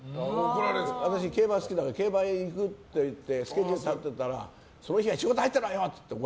私、競馬好きだから競馬に行くって言ってスケジュール立てたらその日は仕事入ってるわよ！って